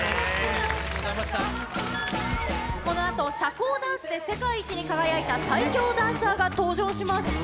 このあと社交ダンスで世界一に輝いた、最強ダンサーが登場します。